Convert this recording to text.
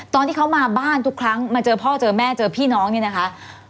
ตอนที่เขามาบ้านทุกครั้งมาเจอพ่อเจอแม่เจอพี่น้องเนี่ยนะคะ